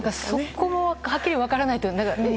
そこもはっきり分からない。